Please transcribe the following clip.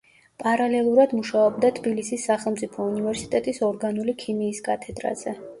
პარალელურად მუშაობდა თბილისის სახელმწიფო უნივერსიტეტის ორგანული ქიმიის კათედრაზე.